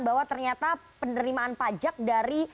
bahwa ternyata penerimaan pajak dari